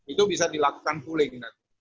itu bisa dilakukan pooling